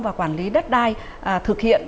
và quản lý đất đai thực hiện